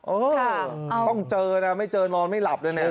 โอ้ต้องเจอนะไม่เจอนอนไม่หลับด้วยนะ